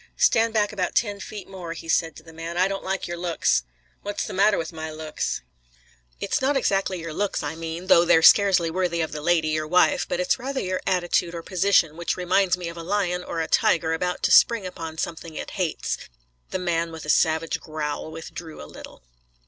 "Stand back about ten feet more," he said to the man, "I don't like your looks." "What's the matter with my looks?" "It's not exactly your looks I mean, though they're scarcely worthy of the lady, your wife, but it's rather your attitude or position which reminds me of a lion or a tiger about to spring upon something it hates." The man, with a savage growl, withdrew a little.